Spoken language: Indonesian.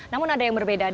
namun ada yang berbeda